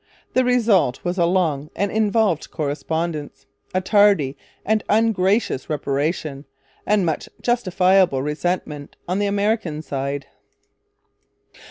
The result was a long and involved correspondence, a tardy and ungracious reparation, and much justifiable resentment on the American side.